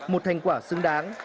một thành quả xứng đáng